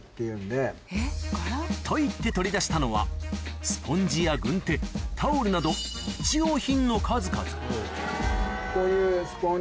と言って取り出したのはスポンジや軍手タオルなど日用品の数々こういう。